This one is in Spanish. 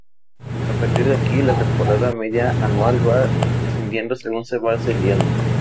A partir de aquí, la temperatura media anual va descendiendo según se va ascendiendo.